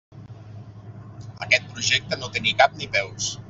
Aquest projecte no té ni cap ni peus.